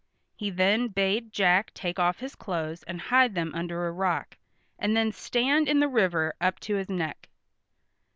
He then bade Jack take off his clothes and hide them under a rock, and then stand in the river up to his neck.